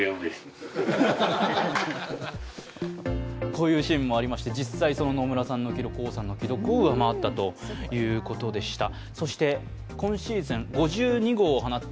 こういうシーンもありまして、実際に野村さんの記録、王さんの記録を上回ったということでした。